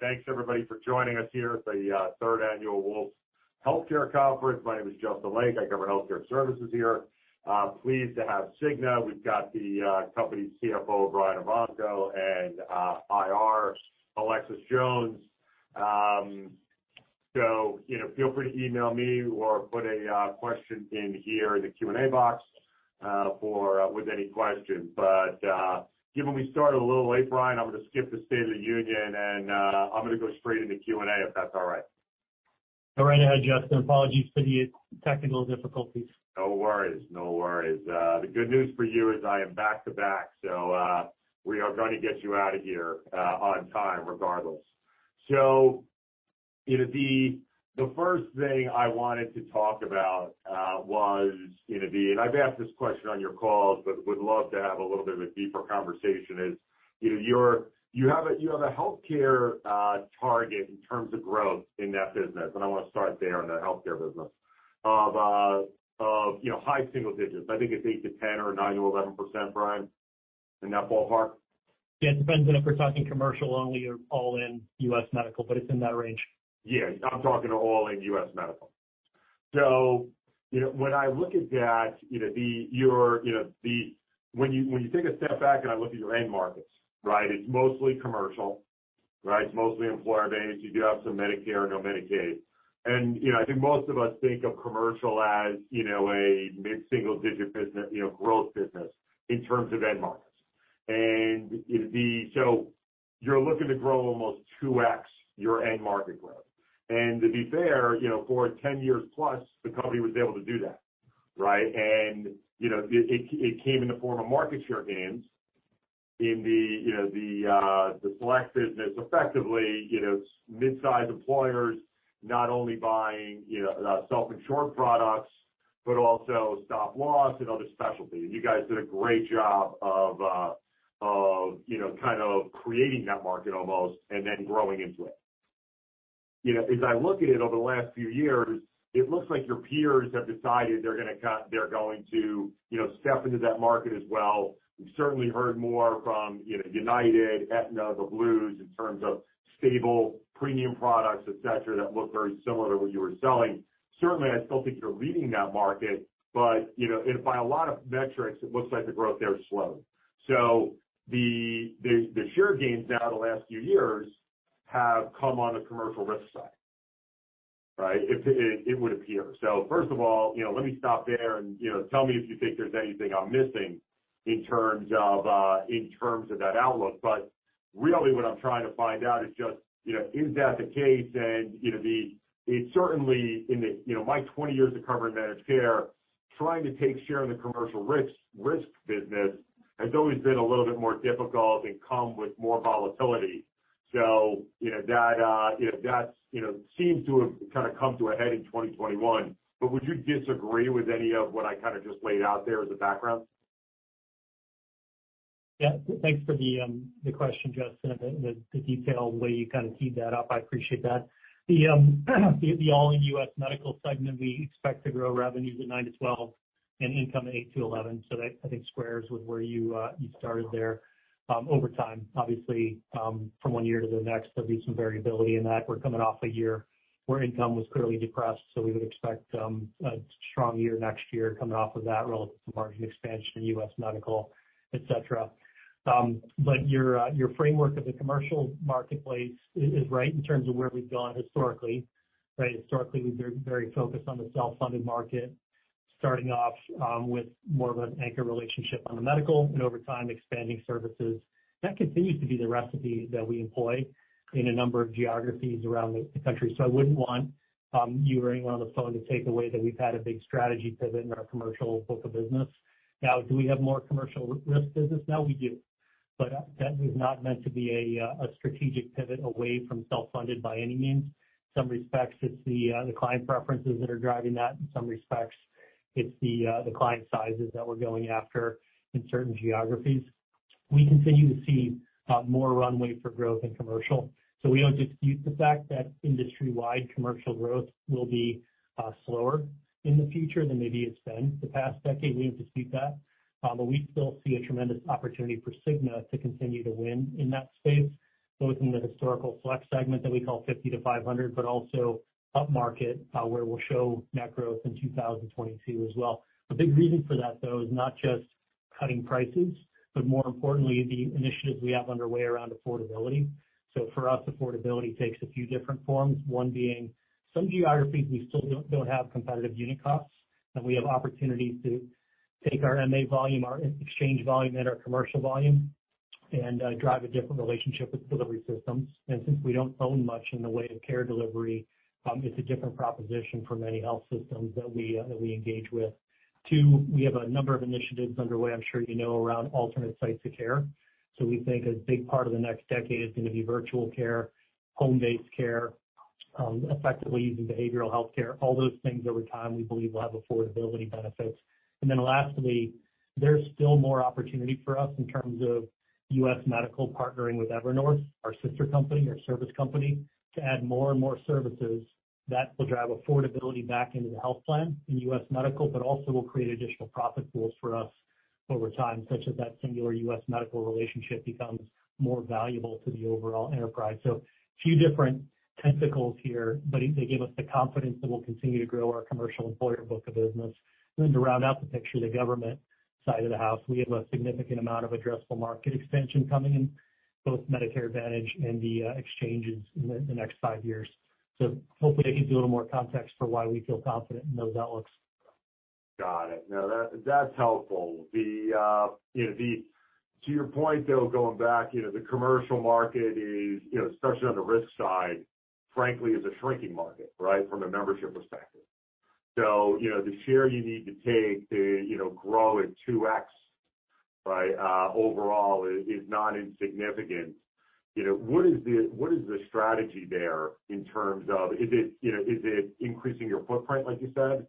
Thanks, everybody, for joining us here at the third annual Wolfe Healthcare conference. My name is Justin Lake. I cover healthcare services here. Pleased to have Cigna. We've got the company's CFO, Brian Evanko, and IR, Alexis Jones. Feel free to email me or put a question in here in the Q&A box with any questions. Given we started a little late, Brian, I'm going to skip the State of the Union and I'm going to go straight into Q&A if that's all right. All right. I had just an apology for the technical difficulties. No worries. The good news for you is I am back to back, so we are going to get you out of here on time regardless. The first thing I wanted to talk about was, you know, and I've asked this question on your calls, but would love to have a little bit of a deeper conversation, is you have a healthcare target in terms of growth in that business. I want to start there in the healthcare business of high single digits. I think it's 8%-10% or 9%-11%, Brian, in that ballpark. Yeah, it depends on if we're talking commercial only or all in U.S. Medical, but it's in that range. Yeah, I'm talking to all in U.S. Medical. When I look at that, your end markets, right, it's mostly commercial, right? It's mostly employer. They do have some Medicare and no Medicaid. I think most of us think of commercial as a mid-single-digit growth business in terms of end markets. You're looking to grow almost 2x your end market growth. To be fair, for 10 years+, the company was able to do that, right? It came in the form of market share gains in the black business, effectively mid-sized employers not only buying self-insured products, but also stop loss and other specialties. You guys did a great job of kind of creating that market almost and then growing into it. As I look at it over the last few years, it looks like your peers have decided they're going to step into that market as well. We've certainly heard more from United, Aetna, the Blues in terms of stable premium products, etc., that look very similar to what you were selling. I still think you're leading that market, but by a lot of metrics, it looks like the growth there is slow. The share gains now the last few years have come on the commercial risk side, right? It would appear. First of all, let me stop there and tell me if you think there's anything I'm missing in terms of that outlook. What I'm trying to find out is just, is that the case? In my 20 years of covering Medicare, trying to take share in the commercial risk business has always been a little bit more difficult and come with more volatility. That seems to have kind of come to a head in 2021. Would you disagree with any of what I just laid out there as a background? Yeah, thanks for the question, Justin, and the detailed way you kind of teed that up. I appreciate that. The all-in U.S. Medical segment, we expect to grow revenues at 9%-12% and income at 8%-11%. I think that squares with where you started there. Over time, obviously, from one year to the next, there'll be some variability in that. We're coming off a year where income was clearly depressed. We would expect a strong year next year coming off of that relative to margin expansion in U.S. Medical, etc. Your framework of the commercial marketplace is right in terms of where we've gone historically, right? Historically, we've been very focused on the self-funded market, starting off with more of an anchor relationship on the medical and over time expanding services. That continues to be the recipe that we employ in a number of geographies around the country. I wouldn't want you or anyone on the phone to take away that we've had a big strategy pivot in our commercial book of business. Now, do we have more commercial risk business? Now we do. That is not meant to be a strategic pivot away from self-funded by any means. In some respects, it's the client preferences that are driving that. In some respects, it's the client sizes that we're going after in certain geographies. We continue to see more runway for growth in commercial. We don't dispute the fact that industry-wide commercial growth will be slower in the future than maybe it's been the past decade. We don't dispute that. We still see a tremendous opportunity for Cigna to continue to win in that space, both in the historical flex segment that we call 50-500, but also up market where we'll show net growth in 2022 as well. A big reason for that, though, is not just cutting prices, but more importantly, the initiatives we have underway around affordability. For us, affordability takes a few different forms. One being some geographies we still don't have competitive unit costs. We have opportunities to take our MA volume, our exchange volume, and our commercial volume and drive a different relationship with the delivery system. Since we don't own much in the way of care delivery, it's a different proposition for many health systems that we engage with. Two, we have a number of initiatives underway, I'm sure you know, around alternate sites of care. We think a big part of the next decade is going to be virtual care, home-based care, effectively using behavioral health care. All those things over time, we believe will have affordability benefits. Lastly, there's still more opportunity for us in terms of U.S. Medical partnering with Evernorth, our sister company, our service company, to add more and more services that will drive affordability back into the health plan in U.S. Medical, but also will create additional profit pools for us over time, such as that singular U.S. Medical relationship becomes more valuable to the overall enterprise. There are a few different tentacles here, but they give us the confidence that we'll continue to grow our commercial employer book of business. To round out the picture, the government side of the house, we have a significant amount of addressable market expansion coming in both Medicare Advantage and the exchanges in the next five years. Hopefully, I can give a little more context for why we feel confident in those outlooks. Got it. No, that's helpful. To your point, though, going back, the commercial market is, especially on the risk side, frankly, a shrinking market, right, from a membership perspective. The share you need to take to grow at 2x overall is not insignificant. What is the strategy there in terms of, is it increasing your footprint, like you said?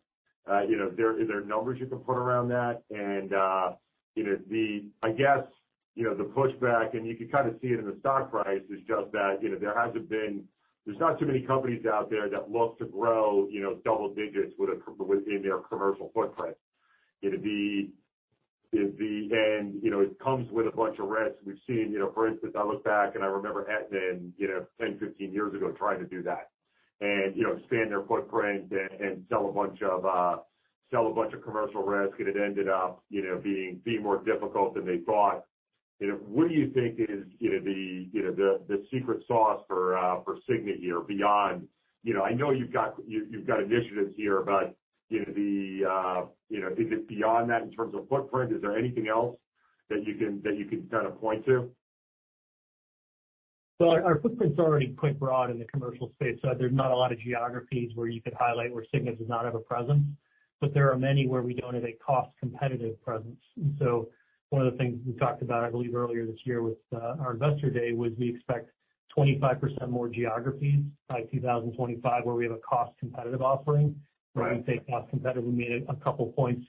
Is there numbers you can put around that? The pushback, and you can kind of see it in the stock price, is just that there hasn't been, there's not too many companies out there that look to grow double digits within their commercial footprint. It comes with a bunch of risks. We've seen, for instance, I look back and I remember Aetna, 10, 15 years ago, trying to do that and expand their footprint and sell a bunch of commercial risk, and it ended up being more difficult than they thought. What do you think is the secret sauce for Cigna here beyond, I know you've got initiatives here, but is it beyond that in terms of footprint? Is there anything else that you can kind of point to? Our footprint's already quite broad in the commercial space. There's not a lot of geographies where you could highlight where Cigna does not have a presence. There are many where we don't have a cost-competitive presence. One of the things we talked about, I believe, earlier this year with our Investor Day was we expect 25% more geographies by 2025 where we have a cost-competitive offering. When I say cost-competitive, we mean a couple of points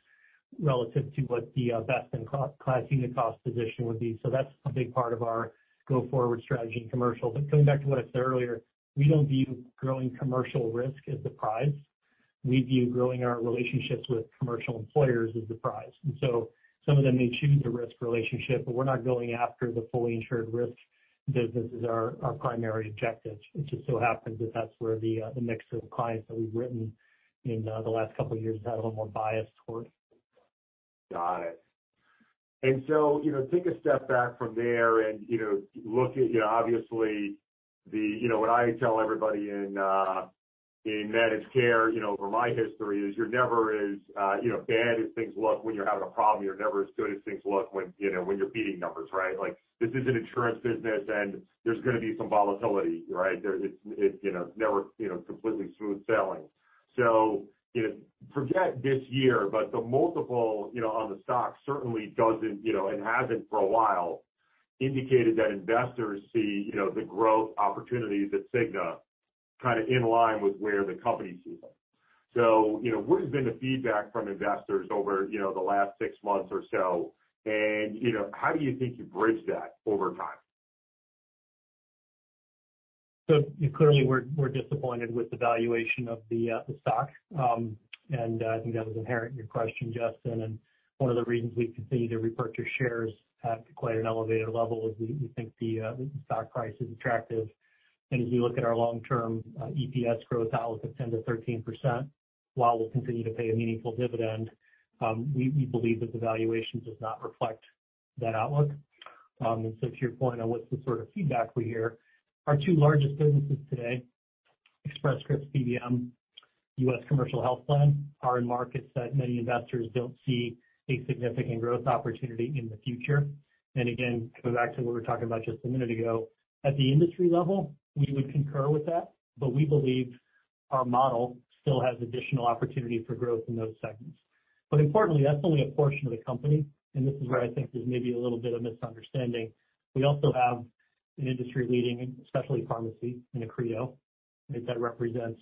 relative to what the best in class in the cost position would be. That's a big part of our go-forward strategy in commercial. Coming back to what I said earlier, we don't view growing commercial risk as the prize. We view growing our relationships with commercial employers as the prize. Some of them may choose a risk relationship, but we're not going after the fully insured risk. This is our primary objective. It just so happens that that's where the mix of clients that we've written in the last couple of years had a little more bias towards. Got it. Take a step back from there and look at, obviously, what I tell everybody in Medicare from my history is you're never as bad as things look when you're having a problem. You're never as good as things look when you're beating numbers, right? This is an insurance business and there's going to be some volatility, right? There is never completely smooth sailing. Forget this year, but the multiple on the stock certainly doesn't, and hasn't for a while, indicated that investors see the growth opportunities at Cigna kind of in line with where the company sees them. What has been the feedback from investors over the last six months or so? How do you think you bridge that over time? Clearly, we're disappointed with the valuation of the stock. I think that was inherent in your question, Justin. One of the reasons we continue to repurchase shares at quite an elevated level is we think the stock price is attractive. If you look at our long-term EPS growth outlook at 10%-13%, while we'll continue to pay a meaningful dividend, we believe that the valuation does not reflect that outlook. To your point on what's the sort of feedback we hear, our two largest businesses today, Express Scripts PBM and U.S. Commercial Health Plan, are in markets that many investors don't see a significant growth opportunity in the future. Coming back to what we were talking about just a minute ago, at the industry level, we would concur with that, but we believe our model still has additional opportunities for growth in those segments. Importantly, that's only a portion of the company. This is where I think there's maybe a little bit of misunderstanding. We also have an industry-leading specialty pharmacy in Accredo. It represents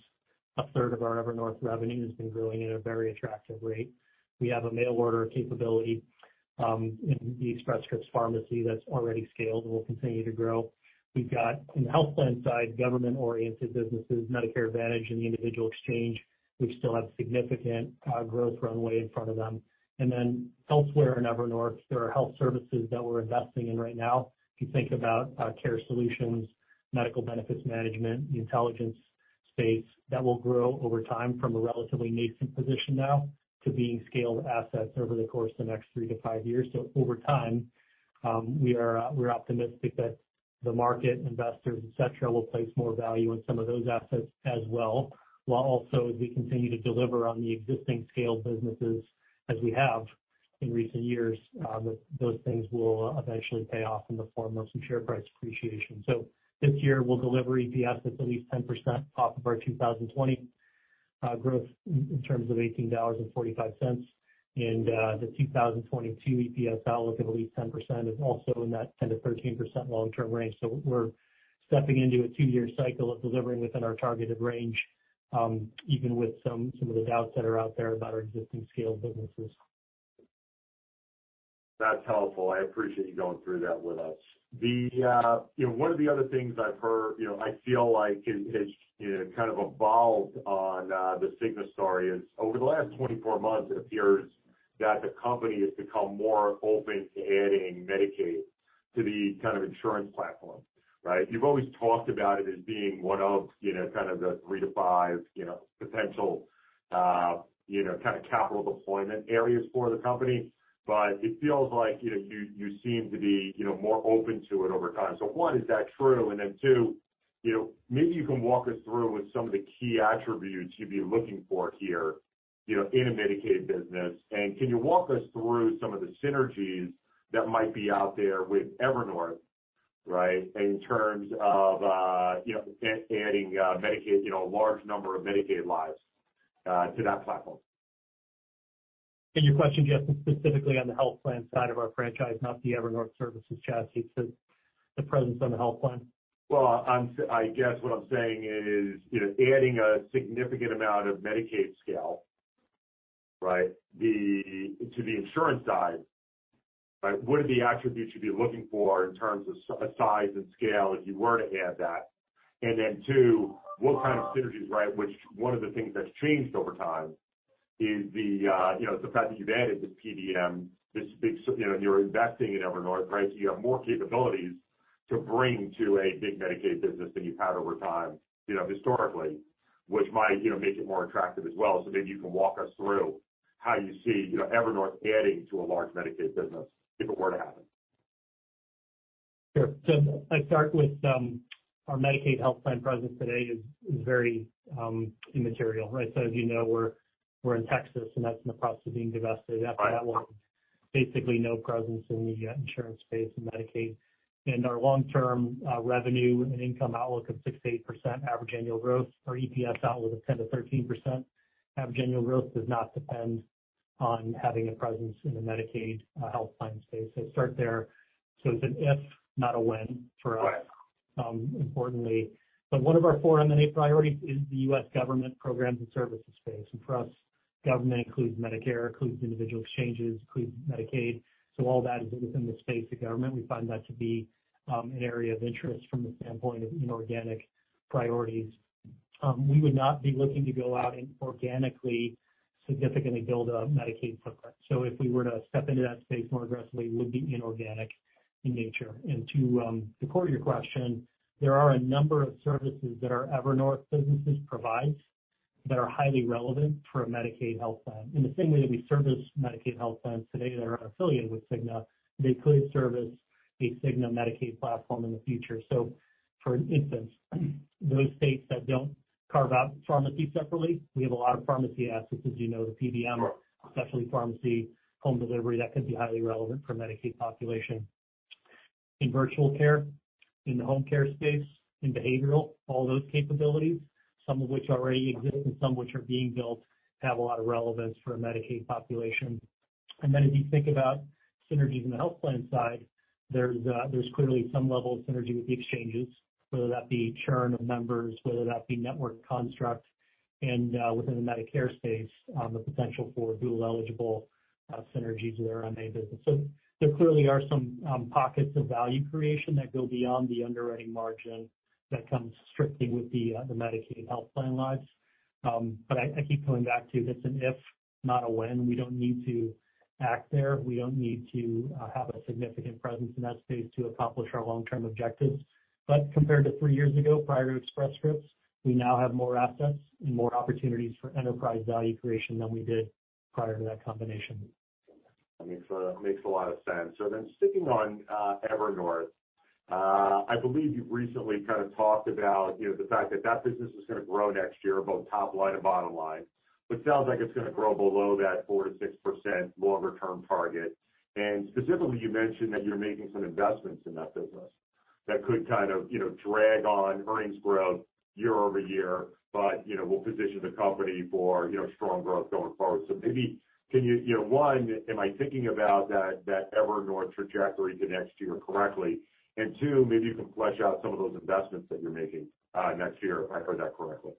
a third of our Evernorth revenue that's been growing at a very attractive rate. We have a mail order capability in the Express Scripts pharmacy that's already scaled and will continue to grow. We've got, in the health plan side, government-oriented businesses, Medicare Advantage, and the individual exchanges, which still have significant growth runway in front of them. Elsewhere in Evernorth, there are health services that we're investing in right now. If you think about care solutions, medical benefits management, the intelligence space, that will grow over time from a relatively nascent position now to being scaled assets over the course of the next three to five years. Over time, we are optimistic that the market, investors, etc., will place more value on some of those assets as well, while also as we continue to deliver on the existing scaled businesses as we have in recent years, those things will eventually pay off in the form of some share price appreciation. This year, we'll deliver EPS at at least 10% off of our 2020 growth in terms of $18.45. The 2022 EPS outlook, I believe, 10% is also in that 10%-13% long-term range. We're stepping into a two-year cycle of delivering within our targeted range, even with some of the doubts that are out there about our existing scaled businesses. That's helpful. I appreciate you going through that with us. One of the other things I've heard, I feel like it's kind of evolved on Cigna story is over the last 24 months, it appears that the company has become more open to adding Medicaid to the kind of insurance platform, right? You've always talked about it as being one of the three to five potential capital deployment areas for the company. It feels like you seem to be more open to it over time. Is that true? Maybe you can walk us through some of the key attributes you'd be looking for here in a Medicaid business. Can you walk us through some of the synergies that might be out there with Evernorth, right? In terms of adding Medicaid, a large number of Medicaid lives to that platform. Your question, Justin, specifically on the health plan side of our franchise, not the Evernorth services chassis, the presence on the health plan? I guess what I'm saying is, you know, adding a significant amount of Medicaid scale to the insurance side, right? What are the attributes you'd be looking for in terms of size and scale if you were to add that? And then two, what kind of synergies, right? One of the things that's changed over time is the fact that you've added this PBM, you know, and you're investing in Evernorth, right? You have more capabilities to bring to a big Medicaid business than you've had over time, historically, which might make it more attractive as well. Maybe you can walk us through how you see Evernorth adding to a large Medicaid business if it were to happen. Sure. I'll start with our Medicaid health plan presence today is very immaterial, right? As you know, we're in Texas and that's in the process of being divested. After that, we're basically no presence in the insurance space of Medicaid. Our long-term revenue and income outlook is 6%-8% average annual growth. Our EPS outlook is 10%-13% average annual growth. It does not depend on having a presence in the Medicaid health plan space. I'd start there. It's an if, not a when, for us. Importantly, one of our four M&A priorities is the U.S. government programs and services space. For us, government includes Medicare, includes individual exchanges, includes Medicaid. All of that is within the space of government. We find that to be an area of interest from the standpoint of inorganic priorities. We would not be looking to go out and organically significantly build a Medicaid footprint. If we were to step into that space more aggressively, it would be inorganic in nature. To the core of your question, there are a number of services that our Evernorth businesses provide that are highly relevant for a Medicaid health plan. In the same way that we service Medicaid health plans today that are not affiliated with Cigna, they could service a Cigna Medicaid platform in the future. For instance, those states that don't carve out pharmacy separately, we have a lot of pharmacy assets, as you know, the PBM or specialty pharmacy, home delivery that could be highly relevant for Medicaid population. In virtual care, in the home care space, in behavioral, all those capabilities, some of which already exist and some of which are being built, have a lot of relevance for a Medicaid population. If you think about synergies in the health plan side, there's clearly some level of synergy with the exchanges, whether that be churn of members, whether that be network construct. Within the Medicare space, the potential for dual eligible synergies with our M&A business. There clearly are some pockets of value creation that go beyond the underwriting margin that comes strictly with the Medicaid health plan lives. I keep coming back to if it's an if, not a when. We don't need to act there. We don't need to have a significant presence in that space to accomplish our long-term objectives. Compared to three years ago, prior to Express Scripts, we now have more assets and more opportunities for enterprise value creation than we did prior to that combination. That makes a lot of sense. Sticking on Evernorth, I believe you've recently kind of talked about the fact that that business is going to grow next year, both top line and bottom line. It sounds like it's going to grow below that 4%-6% longer-term target. Specifically, you mentioned that you're making some investments in that business that could kind of drag on earnings growth year-over-year, but will position the company for strong growth going forward. Maybe can you, one, am I thinking about that Evernorth trajectory to next year correctly? Two, maybe you can flesh out some of those investments that you're making next year. I heard that correctly.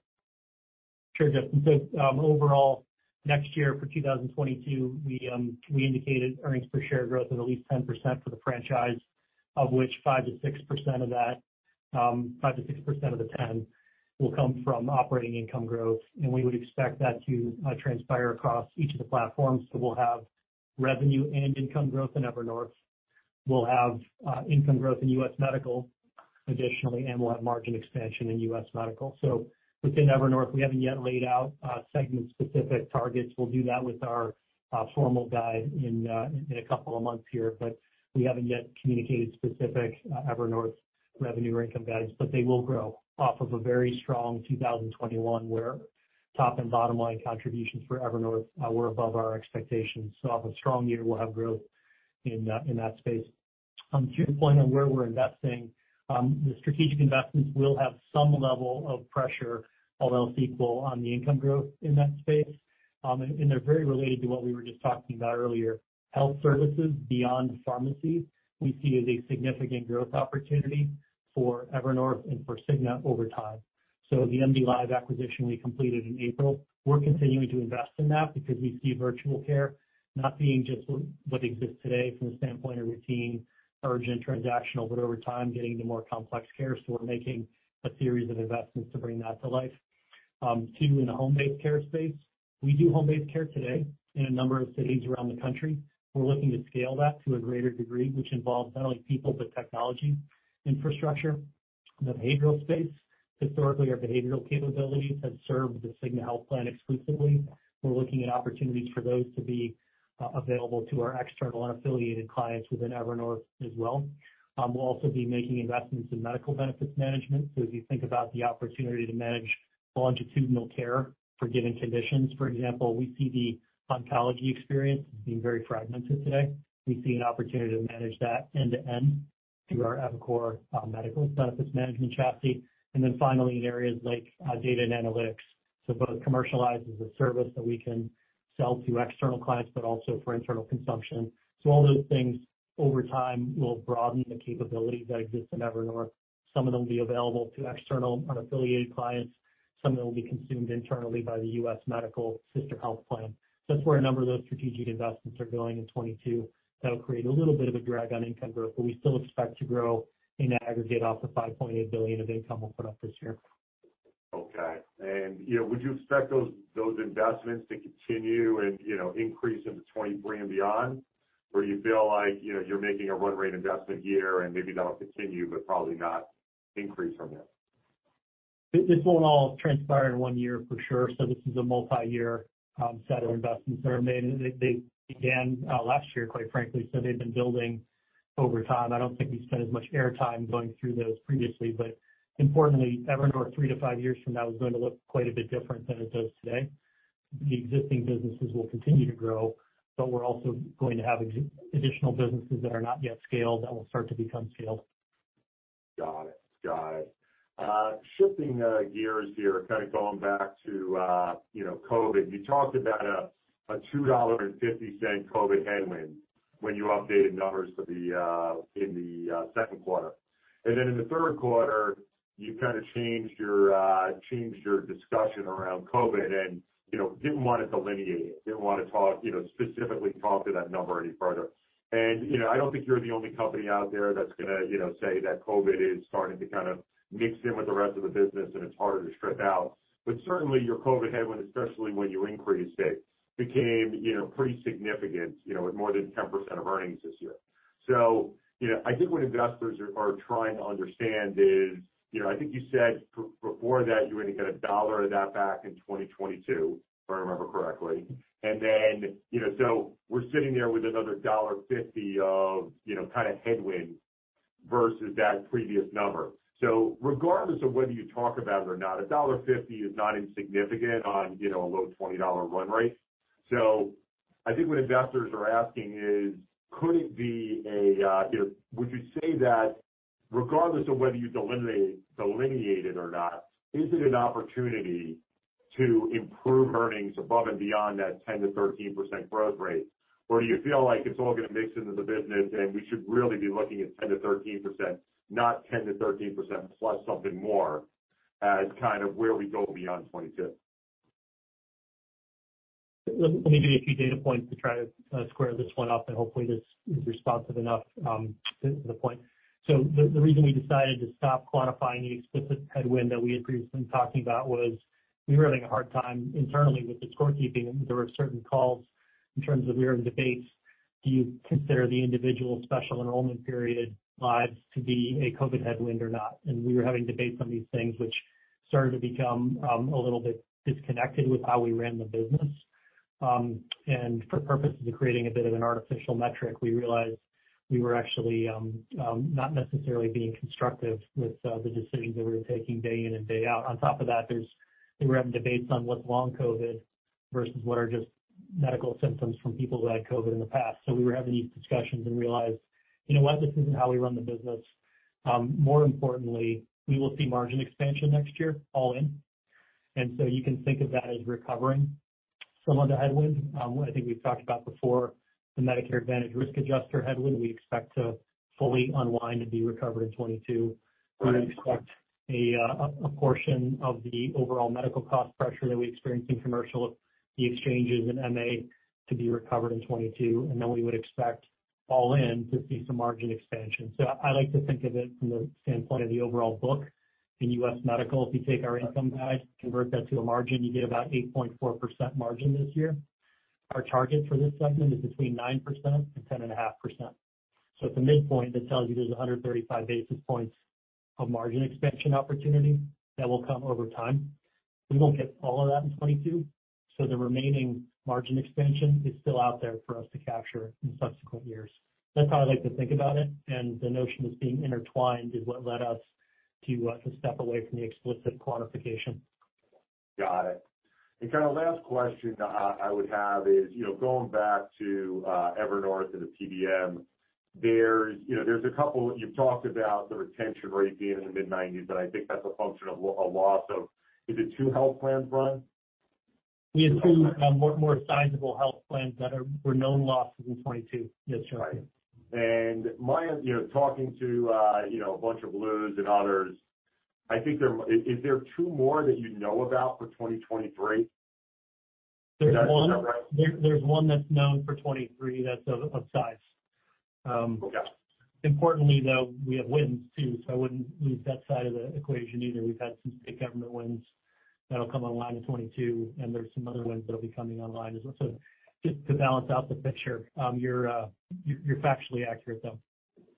Sure, Justin. Overall, next year for 2022, we indicated earnings per share growth of at least 10% for the franchise, of which 5%-6% of that, 5%-6% of the 10% will come from operating income growth. We would expect that to transpire across each of the platforms. We'll have revenue and income growth in Evernorth. We'll have income growth in U.S. Medical additionally, and we'll have market expansion in U.S. Medical. Within Evernorth, we haven't yet laid out segment-specific targets. We'll do that with our formal guide in a couple of months here, but we haven't yet communicated specific Evernorth revenue or income guidance. They will grow off of a very strong 2021 where top and bottom line contributions for Evernorth were above our expectations. Off a strong year, we'll have growth in that space. To your point on where we're investing, the strategic investments will have some level of pressure, although it's equal on the income growth in that space. They're very related to what we were just talking about earlier. Health services beyond pharmacies we see as a significant growth opportunity for Evernorth and for Cigna over time. The MDLIVE acquisition we completed in April, we're continuing to invest in that because we see virtual care not being just what exists today from the standpoint of routine, urgent, transactional, but over time getting to more complex care. We're making a series of investments to bring that to life. Two, in the home-based care space, we do home-based care today in a number of cities around the country. We're looking to scale that to a greater degree, which involves not only people but technology, infrastructure, and the behavioral space. Historically, our behavioral capabilities have served the Cigna health plan exclusively. We're looking at opportunities for those to be available to our external unaffiliated clients within Evernorth as well. We'll also be making investments in medical benefits management. As you think about the opportunity to manage longitudinal care for given conditions, for example, we see the oncology experience being very fragmented today. We see an opportunity to manage that end-to-end through our eviCore medical benefits management chassis. Finally, in areas like data and analytics, both commercialized as a service that we can sell to external clients, but also for internal consumption. All those things over time will broaden the capabilities that exist in Evernorth. Some of them will be available to external unaffiliated clients. Some of them will be consumed internally by the U.S. Medical system health plan. That's where a number of those strategic investments are going in 2022. That will create a little bit of a drag on income growth, but we still expect to grow in aggregate off the $5.8 billion of income we'll put up this year. Okay. Would you expect those investments to continue and increase in 2023 and beyond? Or do you feel like you're making a run-rate investment here and maybe that'll continue, but probably not increase from there? It won't all transpire in one year for sure. This is a multi-year set of investments that are made. They began last year, quite frankly. They've been building over time. I don't think we spent as much airtime going through those previously. Importantly, Evernorth three to five years from now is going to look quite a bit different than it does today. The existing businesses will continue to grow. We're also going to have additional businesses that are not yet scaled that will start to become scaled. Got it. Got it. Shifting gears here, kind of going back to, you know, COVID. You talked about a $2.50 COVID headwind when you updated numbers in the second quarter. In the third quarter, you kind of changed your discussion around COVID and didn't want to delineate it. Didn't want to specifically talk to that number any further. I don't think you're the only company out there that's going to say that COVID is starting to kind of mix in with the rest of the business and it's harder to strip out. Certainly, your COVID headwind, especially when you increased it, became pretty significant, with more than 10% of earnings this year. I think when investors are trying to understand this, I think you said before that you were going to get a dollar of that back in 2022, if I remember correctly. We're sitting there with another $1.50 of kind of headwind versus that previous number. Regardless of whether you talk about it or not, $1.50 is not insignificant on a low $20 run rate. I think what investors are asking is, would you say that regardless of whether you delineate it or not, is it an opportunity to improve earnings above and beyond that 10%-13% growth rate? Or do you feel like it's all going to mix into the business and we should really be looking at 10%-13%, not 10%-13% plus something more as kind of where we go beyond 2022? I'll give you a few data points to try to square this one up. Hopefully, this is responsive enough to the point. The reason we decided to stop quantifying the explicit headwind that we had previously been talking about was we were having a hard time internally with the scorekeeping. There were certain calls in terms of hearing debates. Do you consider the individual special enrollment period lives to be a COVID headwind or not? We were having debates on these things, which started to become a little bit disconnected with how we ran the business. For the purposes of creating a bit of an artificial metric, we realized we were actually not necessarily being constructive with the decisions that we were taking day in and day out. On top of that, we were having debates on what's long COVID versus what are just medical symptoms from people who had COVID in the past. We were having these discussions and realized, you know what, this isn't how we run the business. More importantly, we will see margin expansion next year, all in. You can think of that as recovering some of the headwind. I think we've talked about before the Medicare Advantage risk adjuster headwind. We expect to fully unwind and be recovered in 2022. We would expect a portion of the overall medical cost pressure that we experienced in commercial, the exchanges, and MA to be recovered in 2022. We would expect all in to see some margin expansion. I like to think of it from the standpoint of the overall book in U.S. Medical. If you take our income guide, convert that to a margin, you get about 8.4% margin this year. Our target for this segment is between 9% and 10.5%. At the midpoint, it tells you there's 135 basis points of margin expansion opportunity that will come over time. We won't get all of that in 2022. The remaining margin expansion is still out there for us to capture in subsequent years. That's how I like to think about it. The notion of this being intertwined is what led us to step away from the explicit quantification. Got it. The last question I would have is, you know, going back to Evernorth and the PBM, there's a couple, you've talked about the retention rate being in the mid-90%, and I think that's a function of a loss of, is it two health plans run? Yeah, two more sizable health plans that were known losses in 2022. Yes, sure. Talking to a bunch of Blues and others, I think there is there two more that you know about for 2023? There's one, right? There's one that's known for 2023 that's of upsides. Importantly, though, we have wins too. I wouldn't lose that side of the equation either. We've had some big government wins that'll come online in 2022, and there's some other ones that'll be coming online as well. Just to balance out the picture, you're factually accurate, though.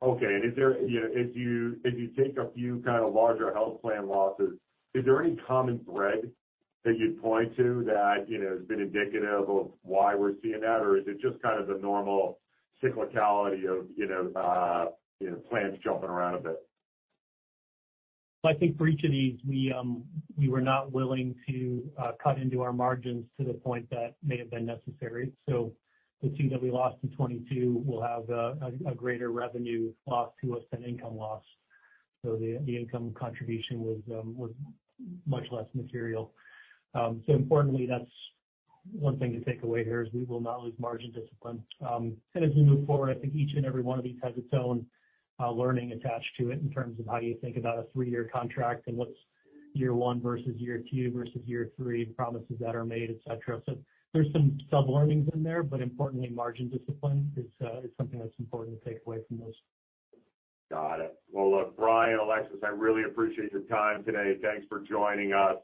Okay. Is there, as you think of a few kind of larger health plan losses, any common thread that you'd point to that has been indicative of why we're seeing that, or is it just the normal cyclicality of plans jumping around a bit? I think for each of these, we were not willing to cut into our margins to the point that may have been necessary. The team that we lost in 2022 will have a greater revenue loss to us than income loss. The income contribution was much less material. Importantly, that's one thing to take away here is we will not lose margin discipline. As we move forward, I think each and every one of these has its own learning attached to it in terms of how you think about a three-year contract and what's year one versus year two versus year three, the promises that are made, etc. There are some self-learnings in there, but importantly, margin discipline is something that's important to take away from this. Got it. Brian and Alexis, I really appreciate your time today. Thanks for joining us.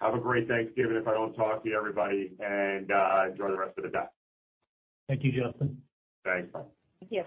Have a great Thanksgiving if I don't talk to you, everybody, and enjoy the rest of the day. Thank you, Justin. Thanks. Bye. Thank you.